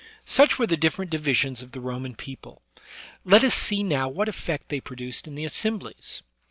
Such were the di£Eerent divisions of the Roman people. Let us see now what e£Eect they produced in the as semblies.